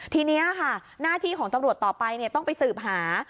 ทีนี้ค่ะหน้าที่ของตำรวจต่อไปต้องไปสืบหา